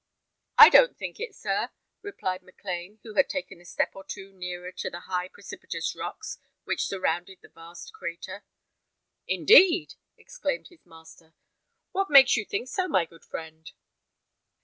"I don't think it, sir," replied Maclean, who had taken a step or two nearer to the high precipitous rocks which surrounded the vast crater. "Indeed!" exclaimed his master. "What makes you think so, my good friend?"